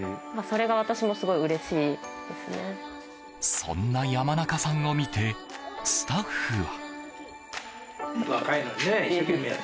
そんな山中さんを見てスタッフは。